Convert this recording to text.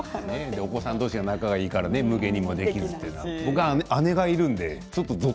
お子さん同士が仲がいいからむげにもできないんでね。